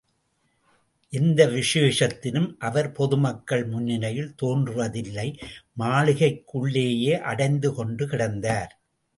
எந்த விசேஷத்திலும் அவர் பொது மக்கள் முன்னிலையில் தோன்றுவதில்லை மாளிகைக்குள்ளேயே அடைந்து கொண்டு கிடந்தார்.